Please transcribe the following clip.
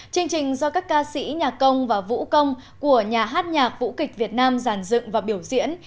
chương trình do các ca sĩ nhà công và vũ công của nhà hát nhạc vũ kịch việt nam giàn dựng và biểu diễn